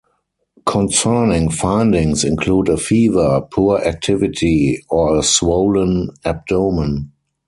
Concerning findings include a fever, poor activity, or a swollen abdomen.